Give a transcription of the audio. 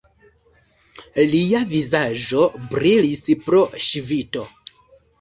Lia vizaĝo brilis pro ŝvito.